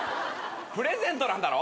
プレゼントなんだろ！？